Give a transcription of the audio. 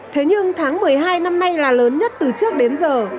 thế nhưng tháng một mươi hai năm nay là lớn nhất từ trước đến giờ